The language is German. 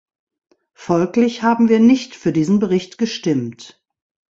Folglich haben wir nicht für diesen Bericht gestimmt.